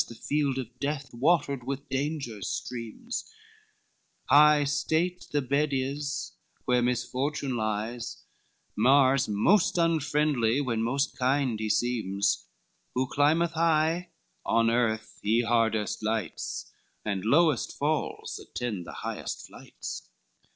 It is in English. The field of death, watered with danger's streams; High state, the bed is where misfortune lies, Mars most unfriendly, when most kind he seems, Who climbeth high, on earth he hardest lights, And lowest falls attend the highest flights.